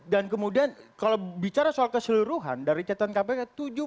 dan kemudian kalau bicara soal keseluruhan dari catatan kpk